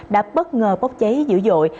đã bất ngờ bốc cháy dữ dội